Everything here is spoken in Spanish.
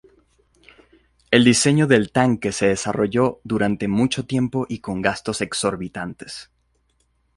El diseño del tanque se desarrolló durante mucho tiempo y con gastos exorbitantes.